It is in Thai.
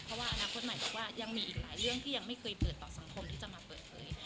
เพราะว่าอนาคตใหม่บอกว่ายังมีอีกหลายเรื่องที่ยังไม่เคยเปิดต่อสังคมที่จะมาเปิดเผย